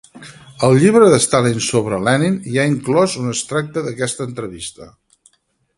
Al llibre de Stalin sobre Lenin hi ha inclòs un extracte d'aquesta entrevista.